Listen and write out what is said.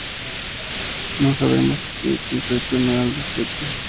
No sabemos en concreto nada al respecto.